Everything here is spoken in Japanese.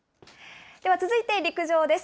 では、続いて陸上です。